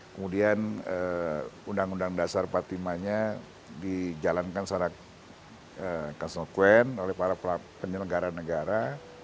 kemudian undang undang dasar partimanya dijalankan secara konsekuen oleh para penyelenggara negara